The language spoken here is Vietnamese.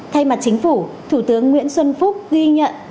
thay mặt chính phủ thủ tướng nguyễn xuân phúc ghi nhận